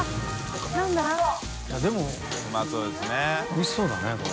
おいしそうだねこれ。